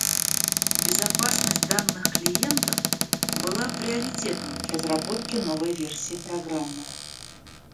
Безопасность данных клиентов была приоритетом в разработке новой версии программы.